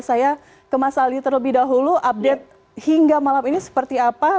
saya ke mas ali terlebih dahulu update hingga malam ini seperti apa